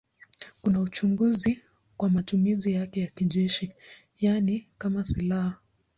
Kuna uchunguzi kwa matumizi yake ya kijeshi, yaani kama silaha.